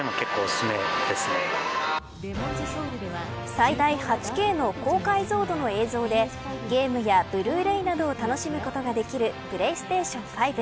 最大８Ｋの高解像度の映像でゲームやブルーレイなどを楽しむことができるプレイステーション５。